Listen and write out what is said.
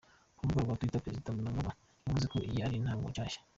Ku rubuga rwa twitter prezida Mnagagwa yavuze ko iyi ari intango nshasha.